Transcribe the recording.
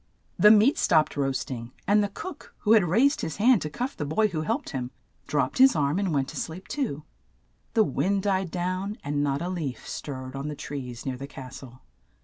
The meat stopped roast ing, and the cook, who had raised his hand to cuff the boy who helped him, dropped his arm and went to sleep too. The wind died down, and not a leaf stirred on the trees near the cas tle.